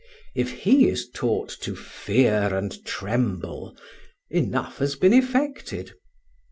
If he is taught to fear and tremble, enough has been effected.